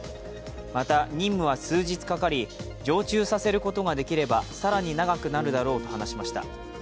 また、任務は数日かかり常駐させることができれば更に長くなるだろうと話しました。